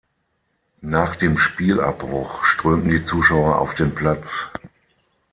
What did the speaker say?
Nach dem Spielabbruch strömten die Zuschauer auf den Platz.